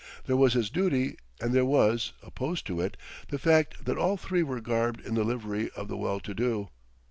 There was his duty, and there was, opposed to it, the fact that all three were garbed in the livery of the well to do.